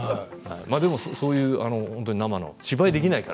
でもやっぱりそういう生の芝居ができないから。